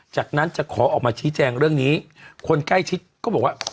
จากนั้นจะขอออกมาชี้แจงเรื่องนี้คนใกล้ชิดก็บอกว่า